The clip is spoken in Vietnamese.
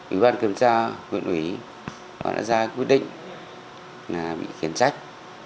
ủy ban kiểm tra quyền ủy họ đã ra quyết định là bị khiến trách